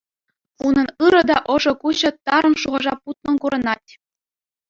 Унӑн ырӑ та ӑшӑ куҫӗ тарӑн шухӑша путнӑн курӑнать.